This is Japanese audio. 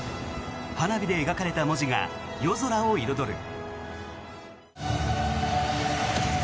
花火で描かれた文字が夜空を彩る。